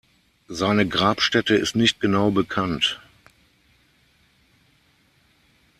Seine Grabstätte ist nicht genau bekannt.